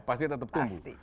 pasti tetap tumbuh